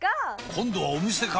今度はお店か！